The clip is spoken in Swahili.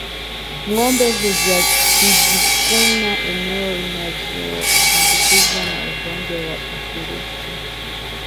Ngombe hujikuna eneo lililoambukizwa na ugonjwa wa ukurutu